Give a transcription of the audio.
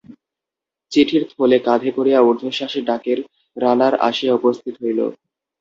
চিঠির থলে কাঁধে করিয়া ঊর্ধ্বশ্বাসে ডাকের রানার আসিয়া উপস্থিত হইল।